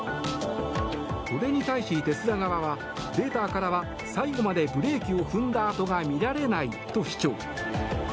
これに対しテスラ側はデータからは最後までブレーキを踏んだ跡が見られないと主張。